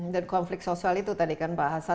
dan konflik sosial itu tadi kan pak hasan